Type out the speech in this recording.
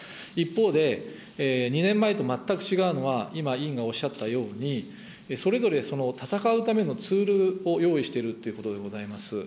一方で、２年前と全く違うのは、今、委員がおっしゃったように、それぞれ、その闘うためのツールを用意しているということでございます。